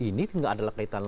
ini tidak ada kaitan